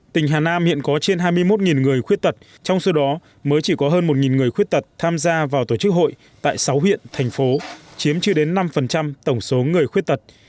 tỉnh hà nam hiện có trên hai mươi một người khuyết tật trong số đó mới chỉ có hơn một người khuyết tật tham gia vào tổ chức hội tại sáu huyện thành phố chiếm chưa đến năm tổng số người khuyết tật